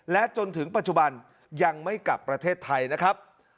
และจนถึงปัจจุบันยังไม่กลับประเทศไทยนะครับ